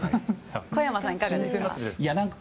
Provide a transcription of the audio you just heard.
小山さん、いかがですか？